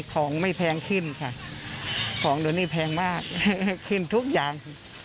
ของไม่แพงขึ้นค่ะของเดี๋ยวนี้แพงมากขึ้นทุกอย่าง